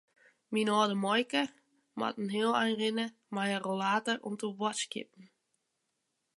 Myn âlde muoike moat in heel ein rinne mei har rollator om te boadskipjen.